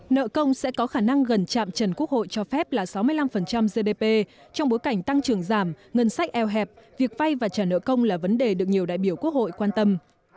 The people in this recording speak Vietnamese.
nợ công sẽ có khả năng gần trạm trần quốc hội cho phép là sáu mươi năm gdp trong bối cảnh tăng trưởng giảm ngân sách eo hẹp việc vay và trả nợ công là vấn đề được nhiều đại biểu quốc hội quan tâm